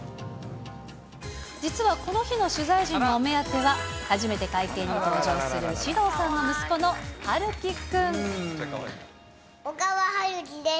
実はこの日の取材陣のお目当ては、初めて会見に登場する、小川陽喜です。